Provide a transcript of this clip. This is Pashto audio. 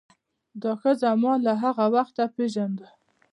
دا ښځه ما له هغه وخته پیژانده.